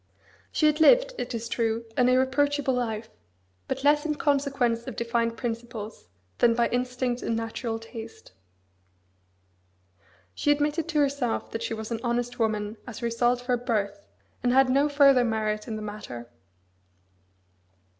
She had lived, it is true, an irreproachable life, but less in consequence of defined principles than by instinct and natural taste. She admitted to herself that she was an honest woman as a result of her birth, and had no further merit in the matter.